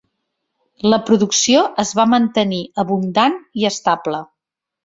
La producció es va mantenir abundant i estable.